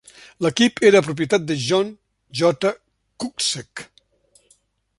L'equip era propietat de John J. Kuczek.